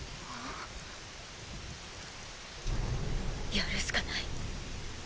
やるしかない。